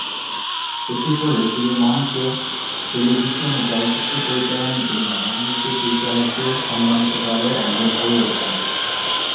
এতে করে তিনি মঞ্চ, টেলিভিশন ও চলচ্চিত্র পরিচালনার জন্য মনোনীত পরিচালকদের সম্মানিত দলের একজন হয়ে ওঠেন।